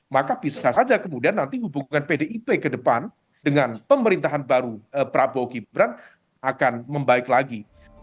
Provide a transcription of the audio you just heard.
maka bisa saja kemudian nanti hubungan pdip ke depan dengan pemerintahan baru prabowo gibran akan membaik lagi